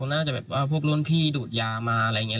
น่าจะแบบว่าพวกรุ่นพี่ดูดยามาอะไรอย่างนี้